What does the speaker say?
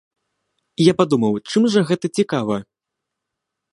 Я падумаў, чым жа гэта цікава?